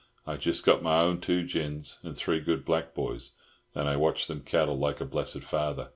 I jest got my own two gins and three good black boys, and I watched them cattle like a blessed father.